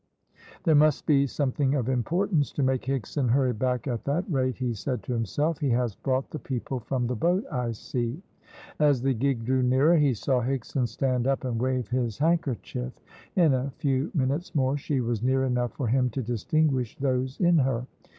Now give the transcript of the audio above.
"There must be something of importance to make Higson hurry back at that rate," he said to himself. "He has brought the people from the boat, I see." As the gig drew nearer, he saw Higson stand up and wave his handkerchief. In a few minutes more she was near enough for him to distinguish those in her.